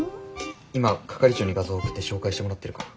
今係長に画像送って照会してもらってるから。